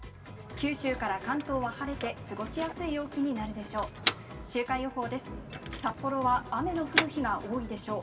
九州から関東は晴れて、過ごしやすい陽気になるでしょう。